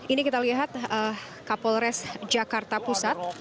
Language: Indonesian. ini kita lihat kapolres jakarta pusat